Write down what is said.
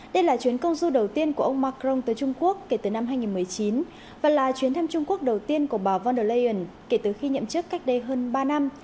đây là chuyến công du đầu tiên của ông macron tới trung quốc kể từ năm hai nghìn một mươi chín và là chuyến thăm trung quốc đầu tiên của bà von der leyen kể từ khi nhậm chức cách đây hơn ba năm